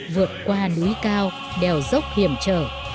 vượt qua núi cao đèo dốc hiểm trở